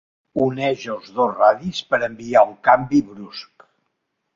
Uneix els dos radis per a evitar un canvi brusc.